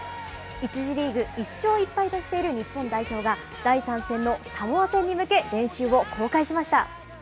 １次リーグ、１勝１敗としている日本代表が、第３戦のサモア戦に向け、練習を公開しました。